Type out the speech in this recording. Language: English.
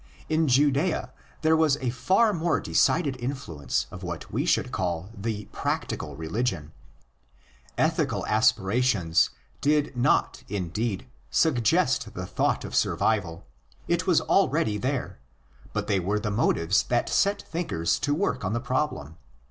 In Judea there was ἃ far more decided influence of what we should call the "" practical reason.' Ethical aspirations did not, indeed, suggest the thought of survival—it was already there; but they were the motives that set thinkers to work on the problem.